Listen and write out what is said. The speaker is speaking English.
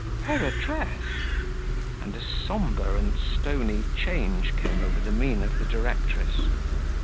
"Her address!" and a sombre and stony change came over the mien of the directress.